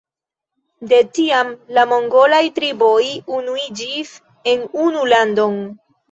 De tiam la mongolaj triboj unuiĝis en unu landon.